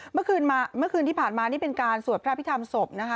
เมื่อคืนที่ผ่านมานี่เป็นการสวดพระอภิษฐรรมศพนะคะ